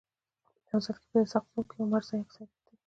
په نوزاد کي په اسحق زو کي عمرزي اکثريت دي.